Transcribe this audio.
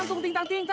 aku juga nggak tau